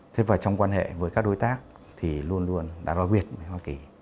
thế và trong quan hệ với các đối tác thì luôn luôn đã đối quyết với hoa kỳ